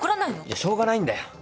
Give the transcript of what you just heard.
いやしょうがないんだよ。